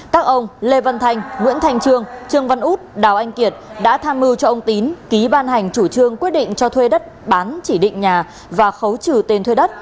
các ông lê văn thanh nguyễn thành trương trương văn út đào anh kiệt đã tham mưu cho ông tín ký ban hành chủ trương quyết định cho thuê đất bán chỉ định nhà và khấu trừ tiền thuê đất